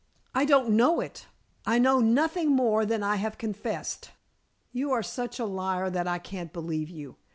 "I don't know it. I know nothing more than I have confessed." "You are such a liar that I can't believe you.